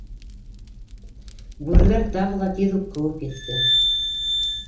Бүреләр тағы ла тиҙ үк ҡыуып етте.